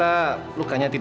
aku mau menangis